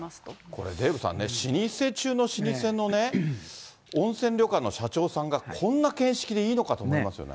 これ、デーブさんね、老舗中の老舗のね、温泉旅館の社長さんが、こんな見識でいいのかと思いますよね。